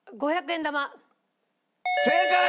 正解！